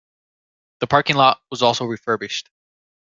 The parking lot was also refurbished.